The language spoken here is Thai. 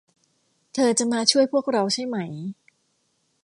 เธอจะมาช่วยพวกเราใช่ไหม